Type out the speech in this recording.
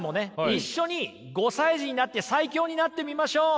一緒に５歳児になって最強になってみましょう！